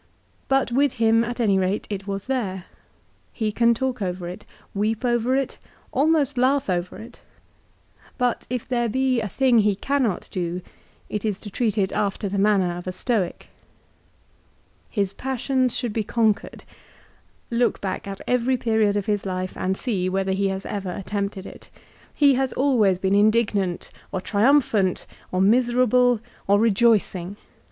But with him at any rate it was there. He can talk over it, weep over it, almost laugh over it ; but if there be a thing that he cannot do it is to treat it after the manner of a Stoic. His passions should be conquered. Look back at every period of his life, and see whether he has ever attempted it. He has always been indignant, or triumphant, or miserable, or rejoicing.